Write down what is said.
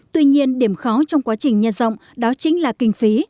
tuy nhiên điểm khó trong quá trình nhân rộng đó chính là kinh phí